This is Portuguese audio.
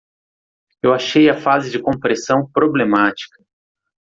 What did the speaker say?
Eu achei a fase de compressão problemática.